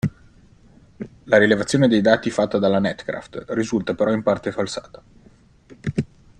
La rilevazione dei dati fatta dalla Netcraft risulta però in parte falsata.